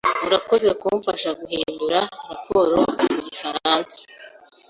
Urakoze kumfasha guhindura raporo mu gifaransa.